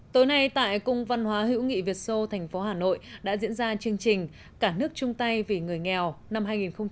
tối nay tại cung văn hóa hữu nghị việt sô thành phố hà nội đã diễn ra chương trình cả nước chung tay vì người nghèo năm hai nghìn một mươi chín